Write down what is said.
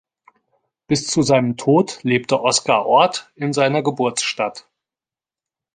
Bis zu seinem Tod lebte Oscar Orth in seiner Geburtsstadt.